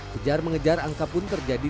kejar mengejar angka pun terjadi